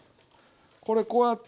これこうやって。